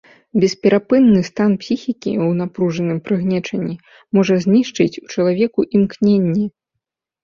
Бесперапынны стан псіхікі ў напружаным прыгнечанні можа знішчыць у чалавеку імкненне.